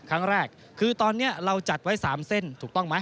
ครั้งแรกคือตอนนี้เราจัดไว้๓เส้นถูกต้องไหม